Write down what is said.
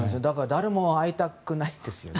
誰も会いたくないんですよね